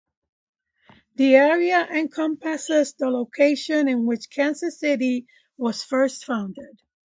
The area encompasses the location in which Kansas City was first founded.